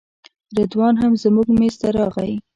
رضوان هم زموږ میز ته راغی.